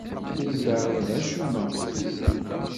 Ur d-terriḍ acemma.